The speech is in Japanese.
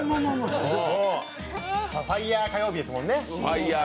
ファイヤー火曜日ですもんね。